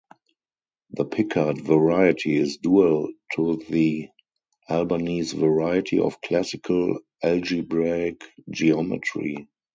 The Picard variety is dual to the Albanese variety of classical algebraic geometry.